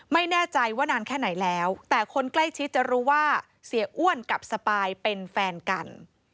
ไม่แน่ใจว่านานแค่ไหนแล้วแต่คนใกล้ชิดจะรู้ว่าเสียอ้วนกับสปายเป็นแฟนกัน